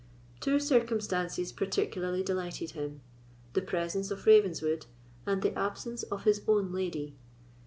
Two circumstances particularly delighted him—the presence of Ravenswood, and the absence of his own lady.